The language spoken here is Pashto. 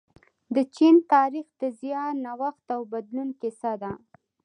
د چین تاریخ د زیار، نوښت او بدلون کیسه ده.